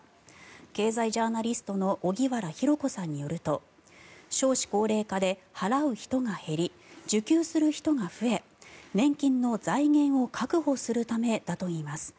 経済ジャーナリストの荻原博子さんによると少子高齢化で払う人が減り受給する人が増え年金の財源を確保するためだといいます。